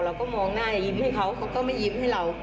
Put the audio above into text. เราก็มองหน้ายิ้มให้เขาเขาก็ไม่ยิ้มให้เรา